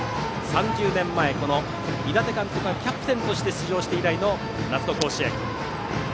３０年前、この井達監督がキャプテンとして出場して以来の夏の甲子園。